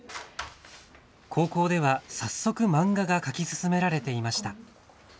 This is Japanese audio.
高校では早速、漫画が描き進められていました。